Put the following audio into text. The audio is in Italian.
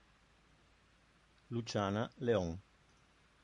Luciana León